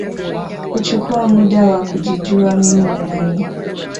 Huchukua muda wa kujijua mimi ni nani